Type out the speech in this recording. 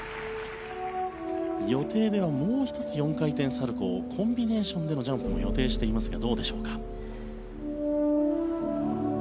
予定ではもう１つ４回転サルコウコンビネーションでのジャンプも予定していますが。